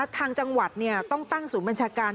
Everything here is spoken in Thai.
ทางจังหวัดต้องตั้งศูนย์บัญชาการ